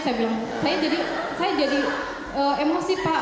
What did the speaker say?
saya jadi emosi pak